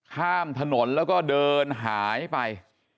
ข้ามถนนแล้วก็เดินหายไป